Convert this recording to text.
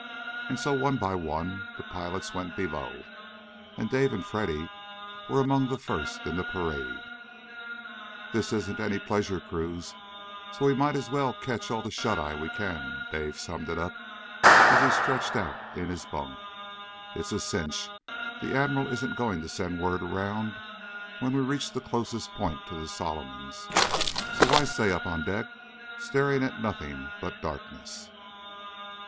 And so one by one the pilots went below. And Dave and Freddy were among the first in the parade. "This isn't any pleasure cruise, so we might as well catch all the shut eye we can," Dave summed it up as he stretched out in his bunk. "It's a cinch the Admiral isn't going to send word around when we reach the closest point to the Solomons, so why stay up on deck staring at nothing but darkness?"